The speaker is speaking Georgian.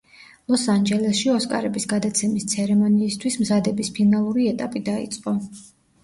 ლოს-ანჯელესში „ოსკარების“ გადაცემის ცერემონიისთვის მზადების ფინალური ეტაპი დაიწყო.